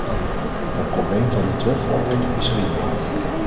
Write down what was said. Het probleem van de terugvordering is reëel.